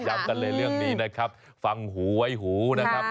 กันเลยเรื่องนี้นะครับฟังหูไว้หูนะครับ